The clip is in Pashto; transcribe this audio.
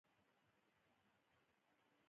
داسې وانګېري چې جغرافیوي موقعیت نه بدلېدونکی دی.